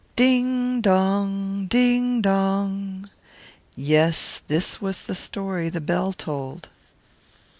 Ding dong! ding dong!" Yes, this was the story the Bell told.